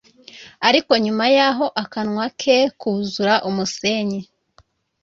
ariko nyuma yaho akanwa ke kuzura umusenyi